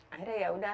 akhirnya ya udah